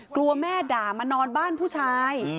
กลัวแม่ด่ามานอนบ้านผู้ชาย